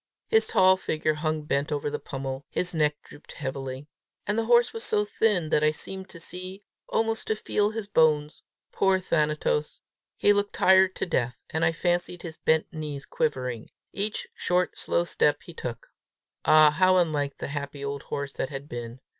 His tall figure hung bent over the pommel, his neck drooped heavily. And the horse was so thin that I seemed to see, almost to feel his bones. Poor Thanatos! he looked tired to death, and I fancied his bent knees quivering, each short slow step he took. Ah, how unlike the happy old horse that had been!